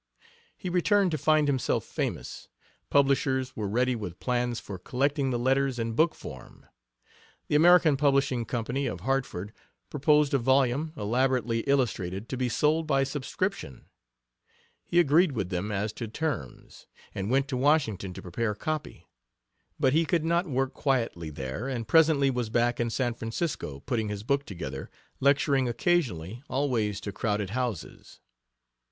He returned to find himself famous. Publishers were ready with plans for collecting the letters in book form. The American Publishing Company, of Hartford, proposed a volume, elaborately illustrated, to be sold by subscription. He agreed with them as to terms, and went to Washington' to prepare copy. But he could not work quietly there, and presently was back in San Francisco, putting his book together, lecturing occasionally, always to crowded houses.